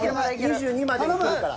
２２までいけるから。